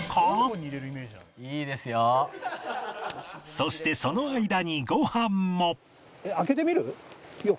そしてその間にご飯も